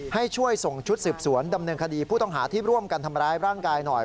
ให้ช่วยส่งชุดสืบสวนดำเนินคดีผู้ต้องหาที่ร่วมกันทำร้ายร่างกายหน่อย